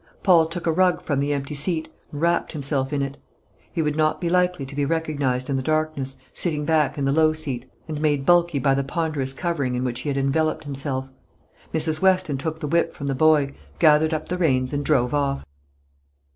Paul took a rug from the empty seat, and wrapped himself in it. He would not be likely to be recognised in the darkness, sitting back in the low seat, and made bulky by the ponderous covering in which he had enveloped himself. Mrs. Weston took the whip from the boy, gathered up the reins, and drove off.